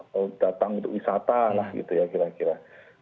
mau datang untuk wisata lah gitu ya kira kira